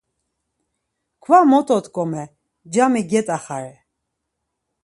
Kva mot otkomer, cami get̆axare.